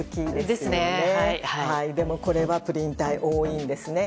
でもこれはプリン体多いんですね。